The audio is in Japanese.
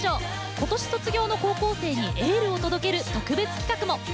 ことし卒業の高校生にエールを届ける特別企画も。